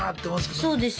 そうですよ。